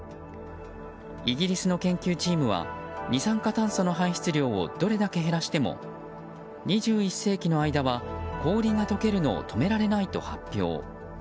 イギリスの研究チームは二酸化炭素の排出量をどれだけ減らしても２１世紀の間は氷が解けるのを止められないと発表。